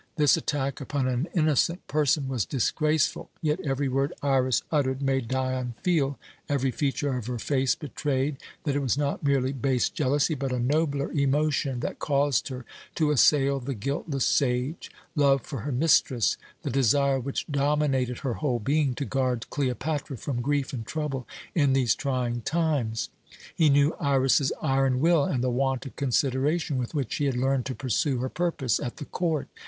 This attack upon an innocent person was disgraceful, yet every word Iras uttered made Dion feel, every feature of her face betrayed, that it was not merely base jealousy, but a nobler emotion, that caused her to assail the guiltless sage love for her mistress, the desire which dominated her whole being to guard Cleopatra from grief and trouble in these trying times. He knew Iras's iron will and the want of consideration with which she had learned to pursue her purpose at the court.